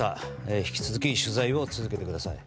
引き続き取材を続けてください。